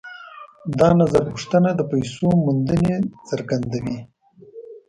دا نظرپوښتنه د پیسو موندنې څرګندوي